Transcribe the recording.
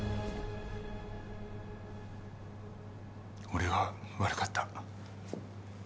俺が悪かった。